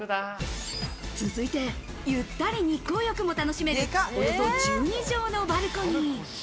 続いて、ゆったり日光浴も楽しめる、およそ１２畳のバルコニー。